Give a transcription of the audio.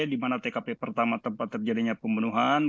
di mana tkp pertama tempat terjadinya pembunuhan